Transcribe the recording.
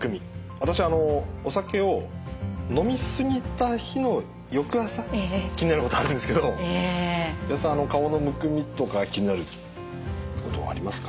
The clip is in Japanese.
私あのお酒を飲み過ぎた日の翌朝気になることあるんですけど岩田さん顔のむくみとか気になることありますか？